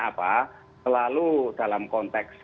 apa selalu dalam konteks